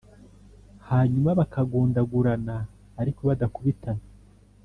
hanyuma bakagundagurana ariko badakubitana.